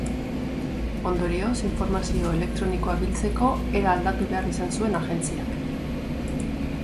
Ondorioz, informazio elektronikoa biltzeko era aldatu behar izan zuen agentziak.